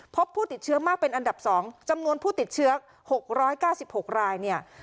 พบผู้ติดเชื้อมากเป็นอันดับ๒จำนวนผู้ติดเชื้อ๖๙๖รายเนี่ย